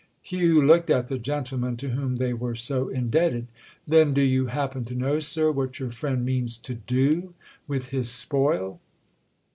Hugh looked at the gentleman to whom they were so indebted. "Then do you happen to know, sir, what your friend means to do with his spoil?"